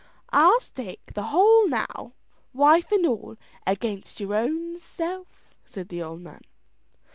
"I'll stake the whole now, wife and all, against your own self," said the old man.